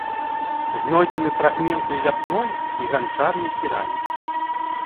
Знойдзены фрагменты ляпной і ганчарнай керамікі.